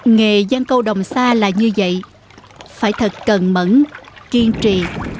nghề giang câu đồng xa là như vậy phải thật cần mẫn kiên trì